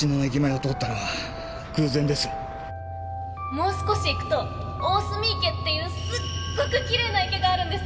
もう少し行くと大澄池っていうすっごくきれいな池があるんです。